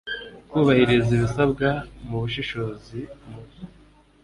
kubahiriza ibisabwa mu bushishozi mu